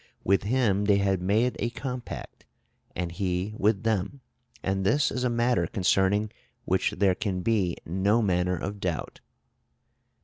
With him they have made a compact, and he with them; and this is a matter concerning which there can be no manner of doubt."